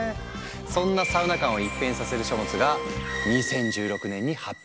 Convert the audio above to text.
そんなサウナ観を一変させる書物が２０１６年に発表されたんだ。